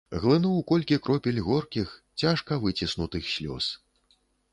Глынуў колькі кропель горкіх, цяжка выціснутых слёз.